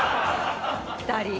２人。